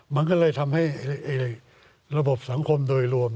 มันก็เลยทำให้ระบบสังคมโดยรวม